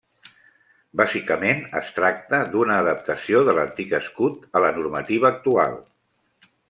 Bàsicament es tracta d'una adaptació de l'antic escut a la normativa actual.